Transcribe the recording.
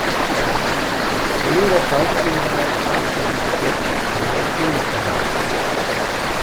Neben der Schauspielerei brachte sie bis jetzt drei Singles heraus.